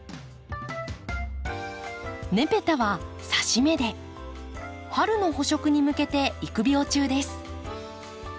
ネペタは挿し芽で春の補植に向けて育苗中です。